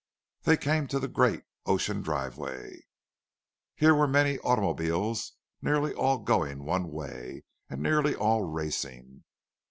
They came to the great Ocean Driveway. Here were many automobiles, nearly all going one way, and nearly all racing.